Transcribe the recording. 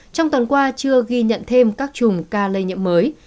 trong tuần qua chưa ghi nhận thêm các chùm ca lây nhiễm mới